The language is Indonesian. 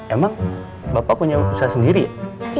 emang bapak punya usaha sendiri ya